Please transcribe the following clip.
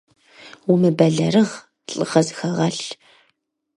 Умыбэлэрыгъ, лӏыгъэ зыхэгъэлъ!